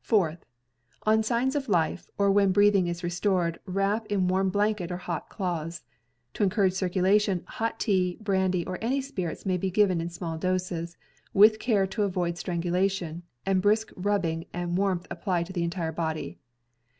Fourth — On signs of life, or when breathing is restored, wrap in warm blanket or hot cloths. To encourage circu lation, hot tea, brandy or any spirits may be given in small doses, with care to avoid strangulation, and brisk rubbing and warmth applied to the entire body.